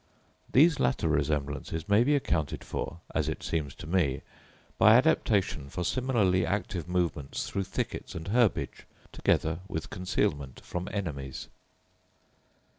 These latter resemblances may be accounted for, as it seems to me, by adaptation for similarly active movements through thickets and herbage, together with concealment from enemies.